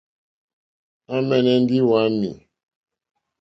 À mɛ̀nɛ́ ndí wàámì.